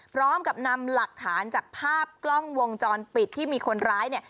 พร้อมกับนำหลักฐานจากภาพกล้องวงจรปิดที่มีคนร้ายเนี่ย